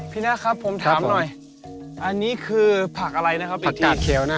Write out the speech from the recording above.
พี่น่าครับผมถามหน่อยอันนี้คือผักอะไรนะครับอีกที